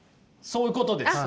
そういうことです。